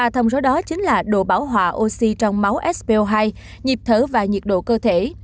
ba thông số đó chính là độ bảo hỏa oxy trong máu spo hai nhịp thở và nhiệt độ cơ thể